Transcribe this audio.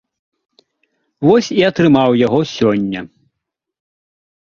Вось і атрымаў яго сёння.